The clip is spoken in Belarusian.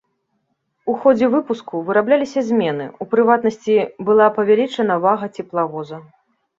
У ходзе выпуску вырабляліся змены, у прыватнасці, была павялічаная вага цеплавоза.